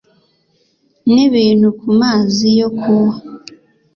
n'ibintu ku mazi yo kuwa